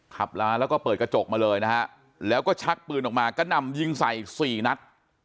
ร้านแล้วก็เปิดกระจกมาเลยนะฮะแล้วก็ชักปืนออกมากระหน่ำยิงใส่สี่นัด